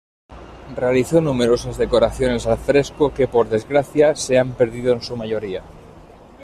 Realizó numerosas decoraciones al fresco, que por desgracia se han perdido en su mayoría.